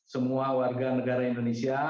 semua warga negara indonesia